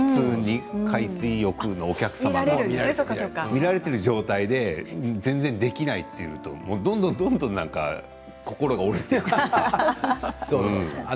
海水浴のお客様たちが見られている状態で全然できないとどんどんどんどん心が折れていくというか。